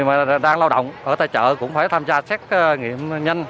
mà đang lao động ở tại chợ cũng phải tham gia xét nghiệm nhanh